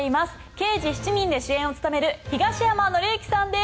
「刑事７人」で主演を務める東山紀之さんです。